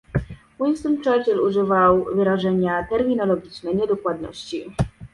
Winston Churchill używał wyrażenia "terminologiczne niedokładności"